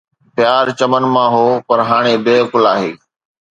پيار چمن مان هو پر هاڻي بي عقل آهي